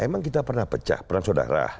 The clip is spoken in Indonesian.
emang kita pernah pecah peran saudara